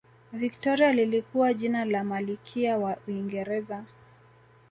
victoria lilikuwa jina la malikia wa uingereza